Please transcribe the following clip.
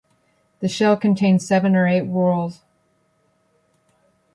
The shell contains seven or eight whorls.